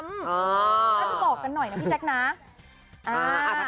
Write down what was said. บอกกันหน่อยนะพี่แจ๊คนะ